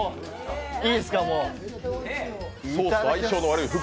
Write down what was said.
いいすか、もう。